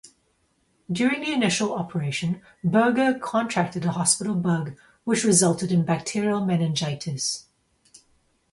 During the initial operation, Burger contracted a hospital bug, which resulted in bacterial meningitis.